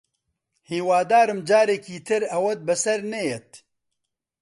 هیوادارم جارێکی تر ئەوەت بەسەر نەیەت